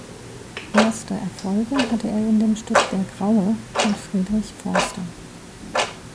Erste Erfolge hatte er in dem Stück "Der Graue" von Friedrich Forster.